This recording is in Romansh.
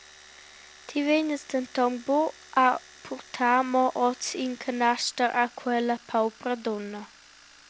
Ti vegnas denton buc a purtar mo oz in canaster a quella paupra dunna.